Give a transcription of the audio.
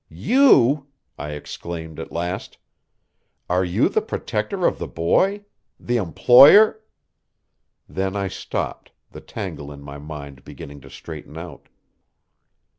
"You!" I exclaimed at last. "Are you the protector of the boy? The employer " Then I stopped, the tangle in my mind beginning to straighten out.